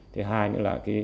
thứ hai nữa là